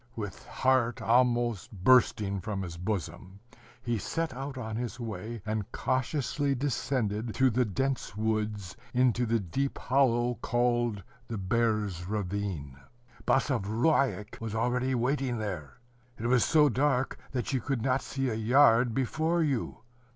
With heart almost bursting from his bosom, he set out on his way, and cautiously descended through the dense woods into the deep hollow called the Bear's ravine. Basavriuk was already waiting there. It was so dark, that you could not see a yard before you.